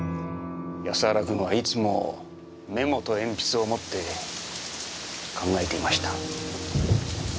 安原君はいつもメモと鉛筆を持って考えていました。